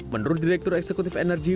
menurut direktur eksekutif energi